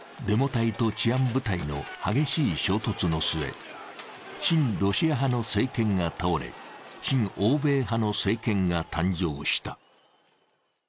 デモ隊と治安部隊の激しい衝突の末、親ロシア派の政権が倒れ親欧米派の政権が誕生した。